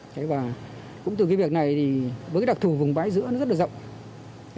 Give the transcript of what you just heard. cũng từ việc này với đặc thù vùng bãi giữa rất là rộng